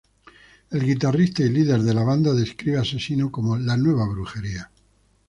El guitarrista y líder de la banda describe Asesino como la "Nueva Brujería".